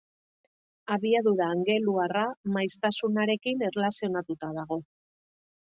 Abiadura angeluarra maiztasunarekin erlazionatuta dago.